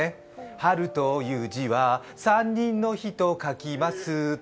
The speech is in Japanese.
春という字は三人の日と書きますって。